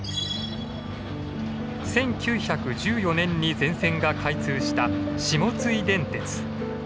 １９１４年に全線が開通した下津井電鉄。